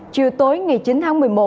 chiều tối ngày chín tháng một mươi một